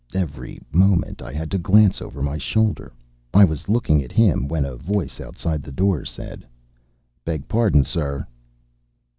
Every moment I had to glance over my shoulder. I was looking at him when a voice outside the door said: "Beg pardon, sir."